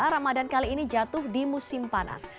ramadan kali ini jatuh di musim panas